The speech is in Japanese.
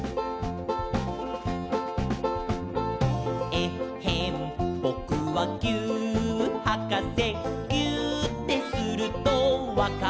「えっへんぼくはぎゅーっはかせ」「ぎゅーってするとわかるんだ」